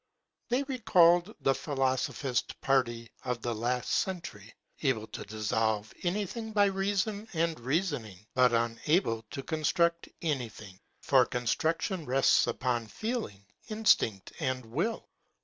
They recall the philosophist party of the last century, able to dissolve anything by reason and reasoning, but un able to construct anything; for construc tion rests upon feeling, instinct, and will.